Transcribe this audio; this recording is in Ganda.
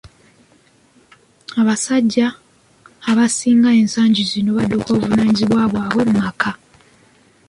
Abasajja abasinga ensagi zino badduka obuvunaanyizibwa bwabwe mu maka.